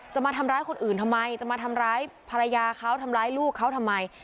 จะมาทำร้ายคนอื่นทำไมจะมาทำร้ายภรรยาเขาทำร้ายลูกเขาทำไม